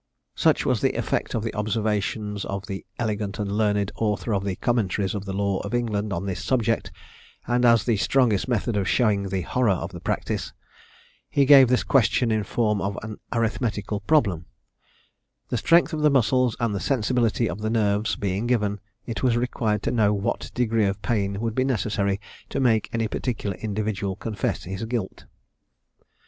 "Such was the effect of the observations of the elegant and learned author of the Commentaries of the Law of England on this subject; and as the strongest method of showing the horror of the practice, he gave this question in the form of an arithmetical problem: 'The strength of the muscles and the sensibility of the nerves being given, it was required to know what degree of pain would be necessary to make any particular individual confess his guilt.'